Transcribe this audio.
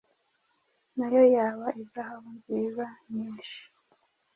naho yaba izahabu nziza nyinshi